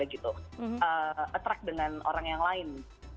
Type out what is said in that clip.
attract dengan orang yang lain